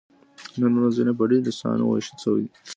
نن ورځ علم په ډېرو څانګو ویشل شوی دی.